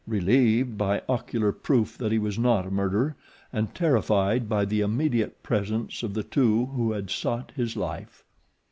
Relieved by ocular proof that he was not a murderer and terrified by the immediate presence of the two who had sought his life.